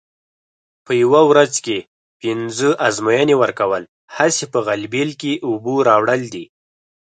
په یوه ورځ کې پینځه ازموینې ورکول هسې په غلبېل کې اوبه راوړل دي.